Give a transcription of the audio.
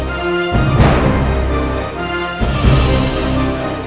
kau cos yg cantikp nfb